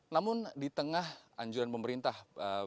namun di tengah anjuran pemerintah